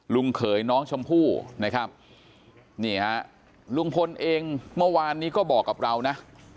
เขยน้องชมพู่นะครับนี่ฮะลุงพลเองเมื่อวานนี้ก็บอกกับเรานะ